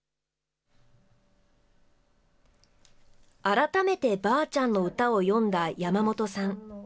改めて、ばあちゃんの詩を読んだ山本さん。